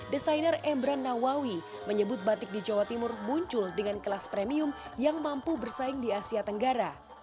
desainer embran nawawi menyebut batik di jawa timur muncul dengan kelas premium yang mampu bersaing di asia tenggara